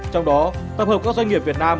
trong đó tập hợp các doanh nghiệp việt nam